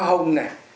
hoa hồng này